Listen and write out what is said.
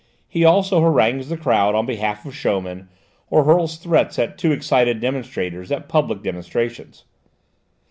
He also harangues the crowd on behalf of showmen, or hurls threats at too excited demonstrators at public demonstrations.